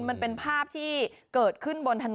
มันเป็นภาพที่เกิดขึ้นบนถนน